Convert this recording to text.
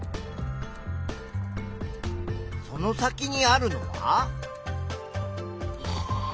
その先にあるのは。